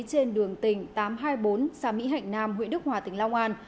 trên đường tỉnh tám trăm hai mươi bốn xã mỹ hạnh nam huyện đức hòa tỉnh long an